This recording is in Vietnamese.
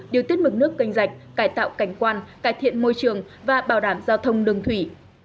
điều tiết mực nước canh rạch cải tạo cảnh quan cải thiện môi trường và bảo đảm giao thông đường thủy